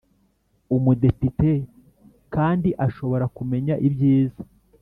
Umudepite kandi ashobora kumenya ibyiza